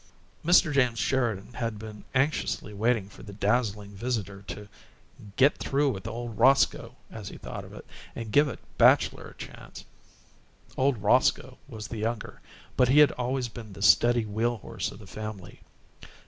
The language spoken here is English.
Mr. James Sheridan had been anxiously waiting for the dazzling visitor to "get through with old Roscoe," as he thought of it, and give a bachelor a chance. "Old Roscoe" was the younger, but he had always been the steady wheel horse of the family.